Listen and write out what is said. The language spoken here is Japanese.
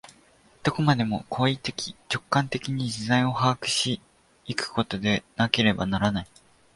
どこまでも行為的直観的に実在を把握し行くことでなければならない。